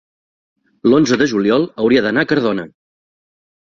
l'onze de juliol hauria d'anar a Cardona.